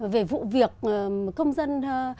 về vụ việc công dân